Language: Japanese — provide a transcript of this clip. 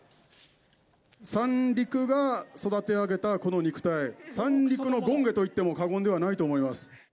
三陸が育て上げたこの肉体、三陸の権化といっても過言ではないと思います。